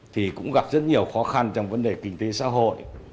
thì cũng gặp rất nhiều khó khăn trong vấn đề kinh tế xã hội